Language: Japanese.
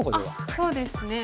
そうですね。